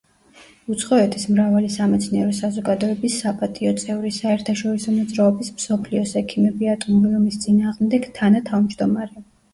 უცხოეთის მრავალი სამეცნიერო საზოგადოების საპატიო წევრი, საერთაშორისო მოძრაობის „მსოფლიოს ექიმები ატომური ომის წინააღმდეგ“ თანათავმჯდომარე.